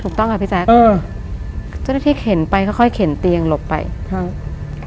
ถูกต้องค่ะพี่แจ๊กอ่าจนที่เข็นไปค่อยเข็นเตียงหลบไปค่ะ